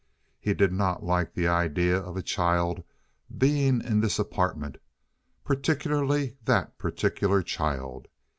He did not like the idea of a child being in this apartment—particularly that particular child.